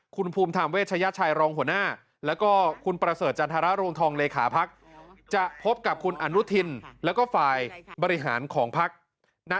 คุณภูมิธามเวชยาชายรองหัวหน้า